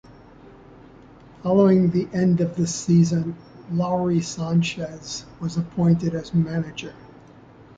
Following the end of the season, Lawrie Sanchez was appointed as manager.